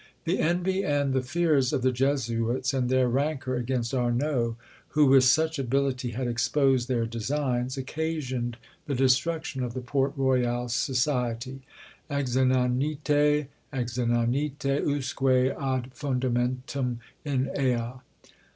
The envy and the fears of the Jesuits, and their rancour against Arnauld, who with such ability had exposed their designs, occasioned the destruction of the Port Royal Society. _Exinanite, exinanite usque ad fundamentum in ea!